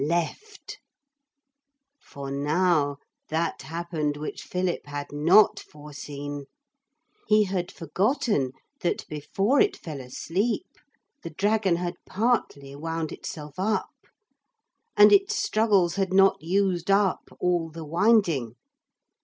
Left. For now that happened which Philip had not foreseen. He had forgotten that before it fell asleep the dragon had partly wound itself up. And its struggles had not used up all the winding.